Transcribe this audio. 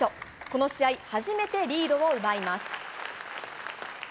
この試合、初めてリードを奪います。